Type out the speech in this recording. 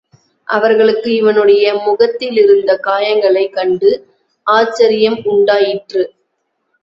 அவர்களுக்கு இவனுடைய முகத்திலிருந்த காயங்களைக் கண்டு ஆச்சரியம் உண்டாயிற்று.